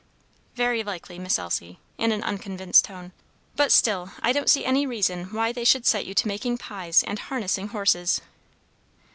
"Very likely, Miss Elsie," in an unconvinced tone; "but still I don't see any reason why they should set you to making pies and harnessing horses."